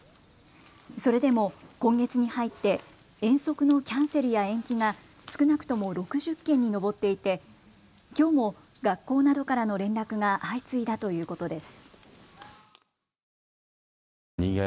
それでも今月に入って遠足のキャンセルや延期が少なくとも６０件に上っていてきょうも学校などからの連絡が相次いだということです。